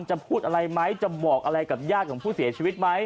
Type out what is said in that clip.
พูดอะไรไหมจะบอกอะไรกับญาติของผู้เสียชีวิตไหม